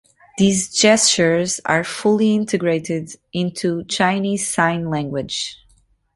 These gestures are fully integrated into Chinese Sign Language.